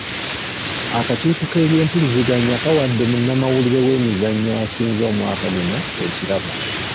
Akakiiko k'ebyempuliziganya kawadde munnamawulire w'emizannyo asinze omwaka guno ekirabo.